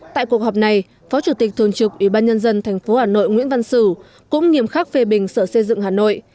tại cuộc họp này phó chủ tịch thường trực ubnd tp hà nội nguyễn văn sử cũng nghiêm khắc phê bình sở xây dựng hà nội